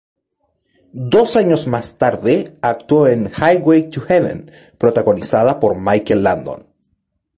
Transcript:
Dos años más tarde actuó en "Highway to Heaven", protagonizada por Michael Landon.